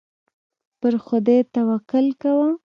پر خدای توکل کوه.